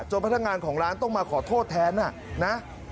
โจทย์พัฒนางานของร้านต้องมาขอโทษแท้นะ